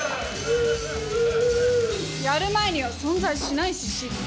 やる前には存在しないし失敗。